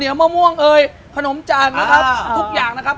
เดี๋ยวมะม่วงเอ่ยขนมจานนะครับทุกอย่างนะครับ